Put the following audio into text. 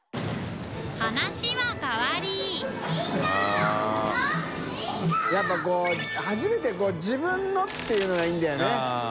話は変わりやっぱこう初めて「自分の」っていうのがいいんだよね。